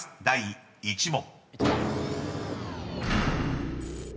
第１問］